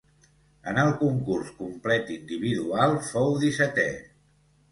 En el concurs complet individual fou dissetè.